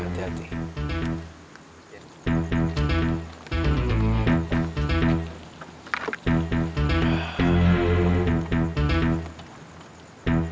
aku udah kenal